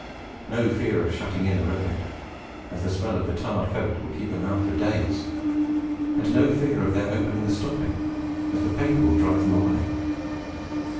No fear of shutting in a rabbit, as the smell of the tarred ferret will keep them out for days; and no fear of their opening the stopping, as the paper will drive them away.